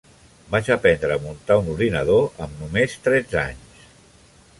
Vaig aprendre a muntar un ordinador amb només tretze anys.